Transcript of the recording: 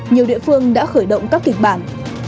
nhiều địa phương đã khởi động các kịch bản